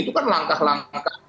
itu kan langkah langkah